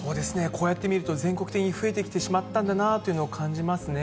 こうやって見ると、全国的に増えてしまったんだなというのを感じますね。